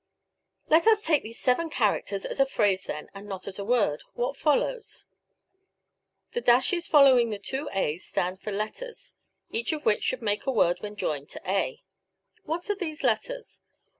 Let us take these seven characters as a phrase then and not as a word. What follows? The dashes following the two a's stand for letters, each of which should make a word when joined to a. What are these letters?